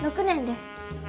６年です。